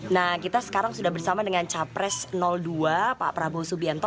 nah kita sekarang sudah bersama dengan capres dua pak prabowo subianto